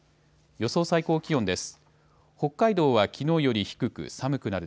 予想最高気温です。